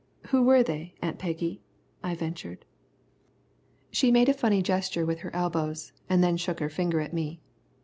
"Who were they, Aunt Peggy?" I ventured. She made a funny gesture with her elbows, and then shook her finger at me.